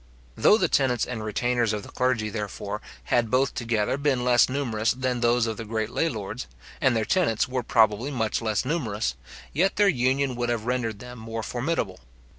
Though the tenants and retainers of the clergy, therefore, had both together been less numerous than those of the great lay lords, and their tenants were probably much less numerous, yet their union would have rendered them more formidable.